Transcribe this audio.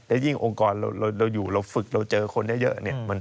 ด้วยจริงองค์กรเราอยู่เราอยู่เราฝึกเราเจอคนเยอะ